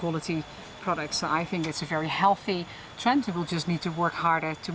jadi saya pikir ini adalah trend yang sangat sehat